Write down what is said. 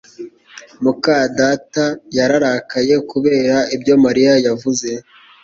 muka data yararakaye kubera ibyo Mariya yavuze